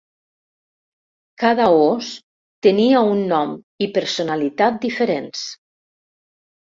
Cada os tenia un nom i personalitat diferents.